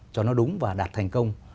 cho nó đúng và đạt thành công